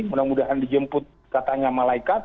mudah mudahan dijemput katanya malaikat